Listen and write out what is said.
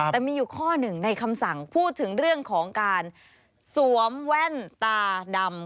แต่มีอยู่ข้อหนึ่งในคำสั่งพูดถึงเรื่องของการสวมแว่นตาดำ